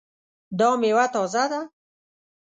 دا میوه تازه ده؟